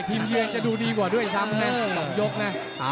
ทีมเยียงจะดูดีกว่าด้วยซ้ำนะ